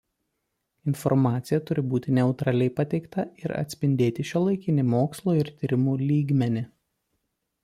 Informacija turi būti neutraliai pateikta ir atspindėti šiuolaikinį mokslo ir tyrimų lygmenį.